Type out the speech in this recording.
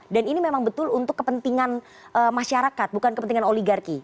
dan ini memang betul untuk kepentingan masyarakat bukan kepentingan oligarki